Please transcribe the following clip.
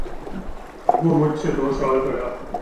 وہ مجھ سے دو سال بڑا ہے